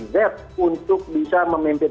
z untuk bisa memimpin